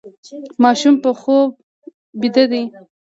ماشوم په خوب ویده دی.